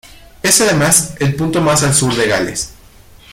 Es además el punto más al sur de Gales.